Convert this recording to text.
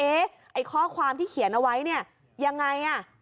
เอ๊ะข้อความที่เขียนเอาไว้ยังไง